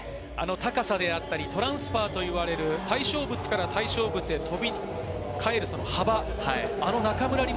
高さだったりトランスファーといわれる対象物から対象物へ飛び変える幅、あの中村輪